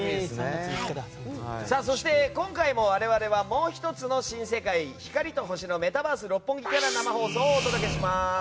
そして、今回も我々はもう１つの新世界光と星のメタバース六本木から生放送をお届けします。